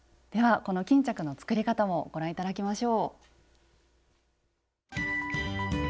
この巾着の作り方もご覧頂きましょう。